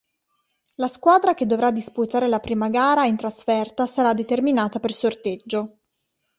La squadra che dovrà disputare la prima gara in trasferta sarà determinata per sorteggio.